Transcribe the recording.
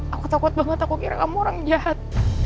aku takut banget aku kira kamu orang jahat